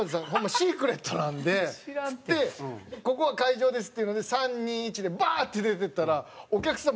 シークレットなんで」っつって「ここが会場です」っていうので３２１でバーッて出てったらお客さん